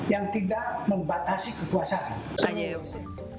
yang tidak membatasi kekuasaan